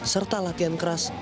serta latihan keras